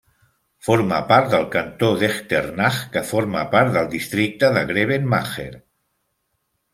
Forma part del Cantó d'Echternach, que forma part del Districte de Grevenmacher.